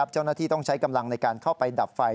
เจ้าหน้าที่ต้องใช้กำลังในการเข้าไปดับไฟ